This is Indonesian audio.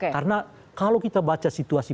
karena kalau kita baca situasi